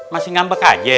masih ngambek aja